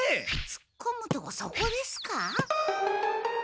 ツッコむとこそこですか？